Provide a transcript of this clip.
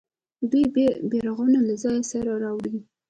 دوی بیرغونه له ځان سره راوړي.